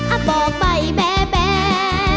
อาบอกไปแบ่แบ่